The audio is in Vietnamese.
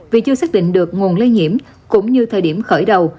vì chưa xác định được nguồn lây nhiễm cũng như thời điểm khởi đầu